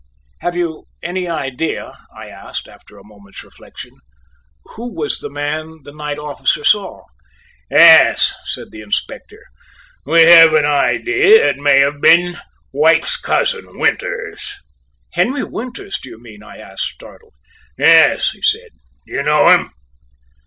"Have you any idea," I asked, after a moment's reflection, "who was the man the night officer saw?" "Yes," said the Inspector, "we have an idea it may have been White's cousin, Winters." "Henry Winters, do you mean?" I asked, startled. "Yes," he said, "do you know him?"